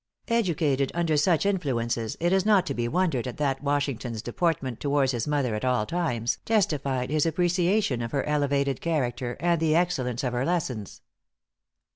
Educated under such influences, it is not to be wondered at that Washington's deportment towards his mother at all times, testified his appreciation of her elevated character, and the excellence of her lessons.